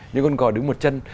những con cò đứng một chân